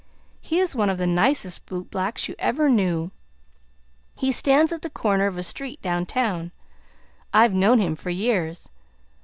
"He is one of the nicest boot blacks you ever knew. He stands at the corner of a street down town. I've known him for years.